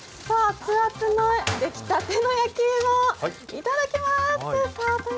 熱々のできたての焼き芋、いただきます！